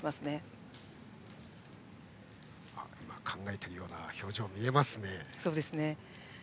池田、考えているような表情にも見えます。